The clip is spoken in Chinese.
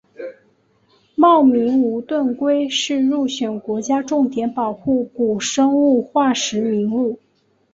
茂名无盾龟是入选国家重点保护古生物化石名录。